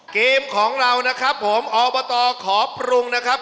เกมของเรานะครับผมอบตขอปรุงนะครับ